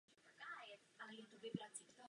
Nezvedl.